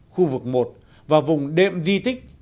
khu vực một và vùng đệm di tích